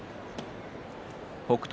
北勝